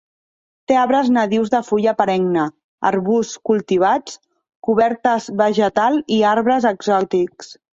Té arbres nadius de fulla perenne, arbusts cultivats, cobertes vegetal i arbres exòtics.